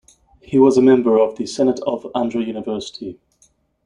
He was a member of the senate of Andhra University.